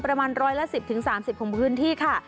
ประมาณร้อยละ๑๐๓๐ของพื้นที่ค่ะ